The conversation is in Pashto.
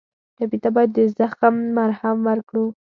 ټپي ته باید د زخم مرهم ورکړو.